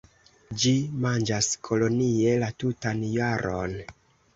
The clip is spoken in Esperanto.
Ĝi manĝas kolonie la tutan jaron.